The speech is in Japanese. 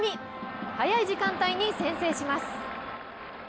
早い時間帯に先制します。